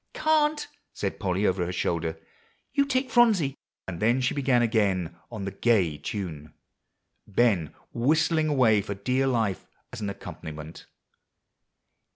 "Can't," said Polly over her shoulder; "you take Phronsie;" and then she began again on the gay tune Ben whistling away for dear life as an accompaniment.